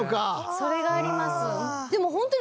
それがあります。